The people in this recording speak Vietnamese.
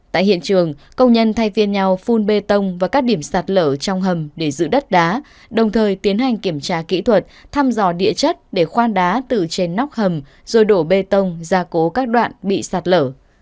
tại hiện trường công nhân thay viên nhau phun bê tông và các điểm sạt lở trong hầm để giữ đất đá đồng thời tiến hành kiểm tra kỹ thuật thăm dò địa chất để khoan đá từ trên nóc hầm rồi đổ bê tông ra cố các đoạn bị sạt lở